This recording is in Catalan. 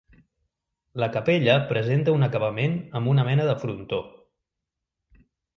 La capella presenta un acabament amb una mena de frontó.